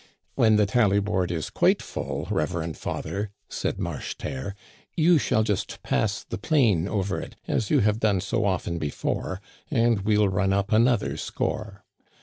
'* When the tally board is quite full, reverend father," said Marcheterre, " you shall just pass the plane over it, as yoii have done so often before, and well run up an other score.